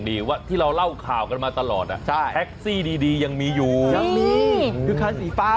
มิตเตอร์หรือเปล่า